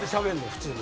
普通に。